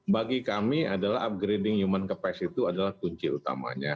bagi kami adalah upgrading human capac itu adalah kunci utamanya